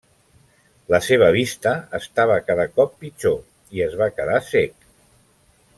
La seva vista estava cada cop pitjor i es va quedar cec.